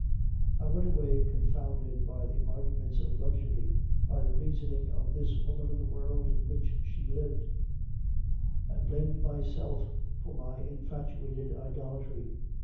"I went away confounded by the arguments of luxury, by the reasoning of this woman of the world in which she lived; and blamed myself for my infatuated idolatry.